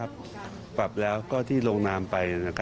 ขอเลื่อนสิ่งที่คุณหนูรู้สึก